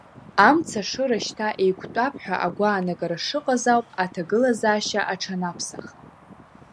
Амцашыра шьҭа еиқәтәап ҳәа агәаанагара шыҟаз ауп аҭагылазаашьа аҽанаԥсах.